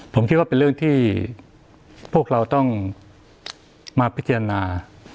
ผมคิดว่าเป็นเรื่องที่พวกเราต้องมาพิจารณา